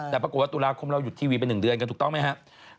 แต่ปรากฏว่าตุลาคมเราหยุดทีวีเป็น๑เดื่อนกันตูเป้าหมายไหมฮะ